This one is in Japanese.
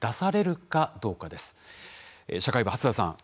社会部初田さん